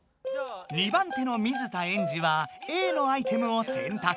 ２番手の水田エンジはＡのアイテムを選択。